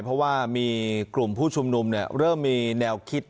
เพราะว่ามีกลุ่มผู้ชุมนุมเริ่มมีแนวคิด